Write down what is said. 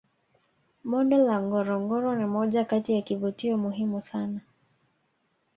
bonde la ngorongoro ni moja Kati ya kivutio muhimu sana